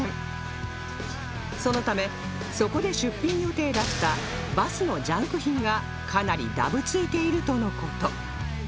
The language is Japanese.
そのためそこで出品予定だったバスのジャンク品がかなりダブついているとの事